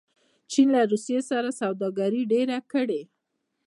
چین له روسیې سره سوداګري ډېره کړې.